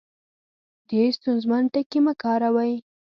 ډېر ستونزمن ټکي مۀ کاروئ